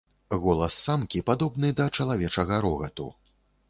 Голас самкі падобны да чалавечага рогату.